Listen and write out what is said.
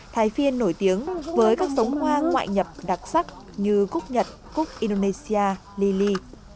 thái phiên nổi tiếng với các sống hoa ngoại nhập đặc sắc như cúc nhật cúc indonesia lily